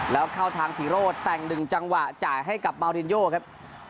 แล้วเข้าทางศรีโรธแต่ง๑จังหวะจ่ายให้กับมาวรินโยครับ